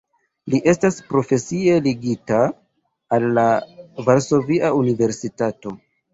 Li estas profesie ligita al la Varsovia Universitato.